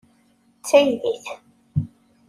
D taydit.